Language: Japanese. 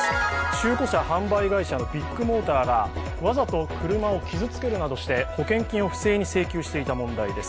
中古車販売会社のビッグモーターがわざと車を傷つけるなどして保険金を不正に請求していた問題です。